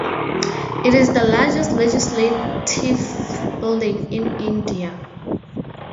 It is the largest Legislative building in India.